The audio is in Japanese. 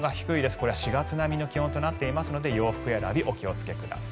これは４月並みの気温となっていますので洋服選び、お気をつけください。